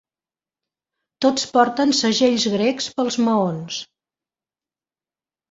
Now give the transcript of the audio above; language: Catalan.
Tots porten segells grecs pels maons.